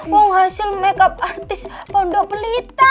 wah hasil makeup artis pondok belita